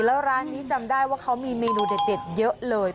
แล้วร้านนี้จำได้ว่าเขามีเมนูเด็ดเยอะเลย